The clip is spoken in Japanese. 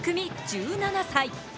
１７歳。